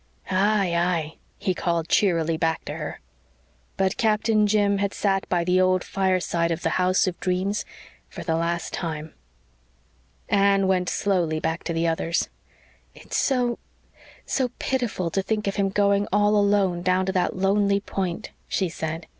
"Ay, ay," he called cheerily back to her. But Captain Jim had sat by the old fireside of the house of dreams for the last time. Anne went slowly back to the others. "It's so so pitiful to think of him going all alone down to that lonely Point," she said.